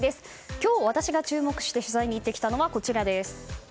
今日私が注目して取材に行ってきたのはこちらです。